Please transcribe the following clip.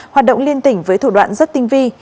hoạt động liên tỉnh với thủ đoạn rất tinh vi